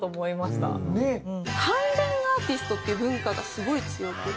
関連アーティストっていう文化がすごい強くって。